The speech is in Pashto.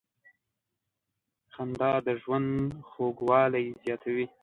• خندا د ژوند خوږوالی زیاتوي.